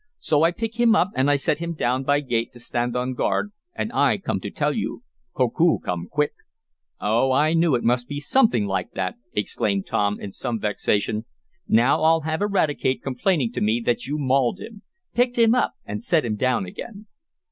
So I pick him up, and I set him down by gate to stand on guard, and I come to tell you. Koku come quick!" "Oh, I knew it must be something like that!" exclaimed Tom in some vexation. "Now I'll have Eradicate complaining to me that you mauled him. Picked him up and set him down again."